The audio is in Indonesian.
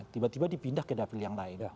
tiba tiba dipindah ke dapil yang lain